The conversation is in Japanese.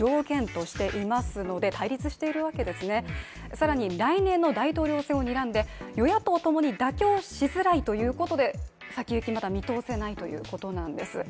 更に来年の大統領選をにらんで与野党ともに妥協しづらいということで先行き、まだ見通せないということなんです。